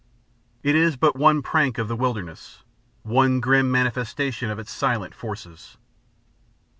It is but one prank of the wilderness, one grim manifestation of its silent forces.